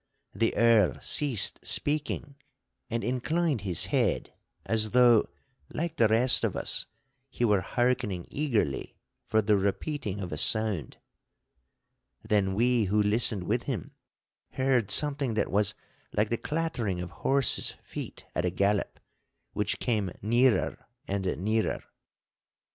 The Earl ceased speaking and inclined his head as though, like the rest of us, he were harkening eagerly for the repeating of a sound. Then we who listened with him heard something that was like the clattering of horses' feet at a gallop, which came nearer and nearer.